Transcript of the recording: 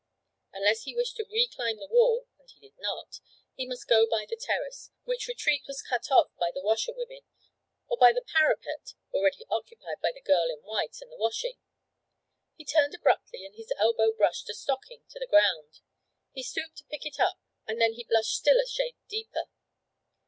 Unless he wished to reclimb the wall and he did not he must go by the terrace, which retreat was cut off by the washer women, or by the parapet, already occupied by the girl in white and the washing. He turned abruptly and his elbow brushed a stocking to the ground. He stooped to pick it up and then he blushed still a shade deeper.